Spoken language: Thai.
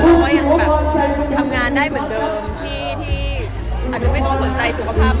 เราก็ยังทำงานได้เหมือนเดิม